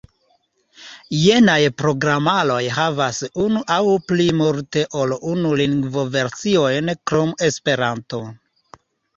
Jenaj programaroj havas unu aŭ plimulte ol unu lingvo-versiojn krom Esperanto.